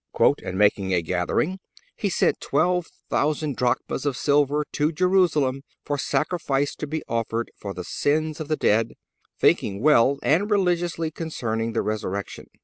"And making a gathering, he sent twelve thousand drachms of silver to Jerusalem for sacrifice to be offered for the sins of the dead, thinking well and religiously concerning the resurrection.